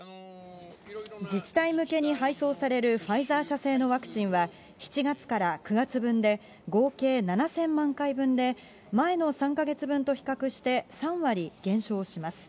自治体向けに配送されるファイザー社製のワクチンは、７月から９月分で、合計７０００万回分で、前の３か月分と比較して３割減少します。